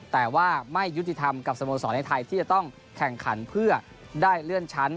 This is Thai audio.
แต่ว่าไม่ยุติธรรมกับสโมสรในไทยที่จะต้องแข่งขันเพื่อได้เลื่อนชั้น